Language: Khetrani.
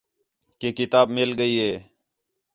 کہ کتاب مِل ڳئی ہِے